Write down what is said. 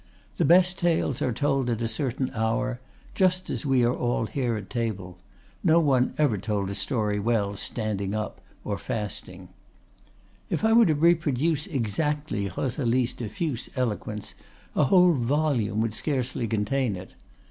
The best tales are told at a certain hour—just as we are all here at table. No one ever told a story well standing up, or fasting. "If I were to reproduce exactly Rosalie's diffuse eloquence, a whole volume would scarcely contain it.